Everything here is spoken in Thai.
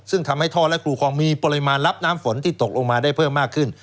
ซึ่งทำให้ท่อและครูคลองมีปริมาณรับน้ำฝนที่ตกลงมาได้เพิ่มมากขึ้น